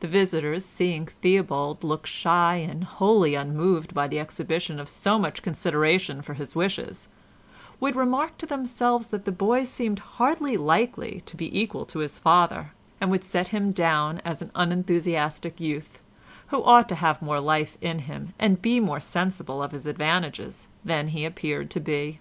The visitors, seeing Theobald look shy and wholly unmoved by the exhibition of so much consideration for his wishes, would remark to themselves that the boy seemed hardly likely to be equal to his father and would set him down as an unenthusiastic youth, who ought to have more life in him and be more sensible of his advantages than he appeared to be.